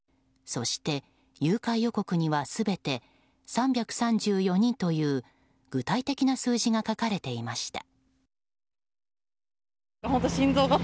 そして、誘拐予告には全て３３４人という具体的な数字が書かれていました。